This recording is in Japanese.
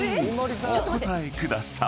お答えください］